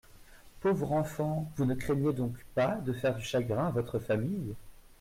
Pauvre enfant, vous ne craignez donc pas de faire du chagrin à votre famille ?